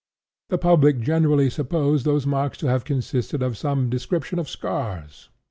The public generally supposed those marks to have consisted of some description of scars.